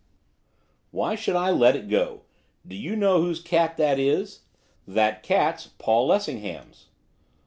'Why should I let it go? Do you know whose cat that is? That cat's Paul Lessingham's.